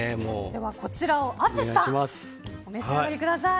ではこちらを、淳さんお召し上がりください。